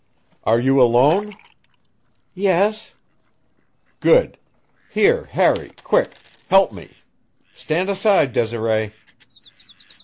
"Are you alone?" "Yes." "Good. Here, Harry quick! Help me. Stand aside, Desiree."